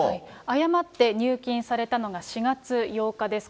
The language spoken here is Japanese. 誤って入金されたのが４月８日です。